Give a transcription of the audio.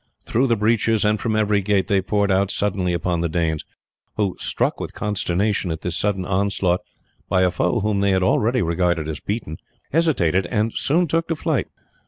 Through the breaches, and from every gate, they poured out suddenly upon the Danes, who, struck with consternation at this sudden onslaught by a foe whom they had already regarded as beaten, hesitated, and soon took to flight.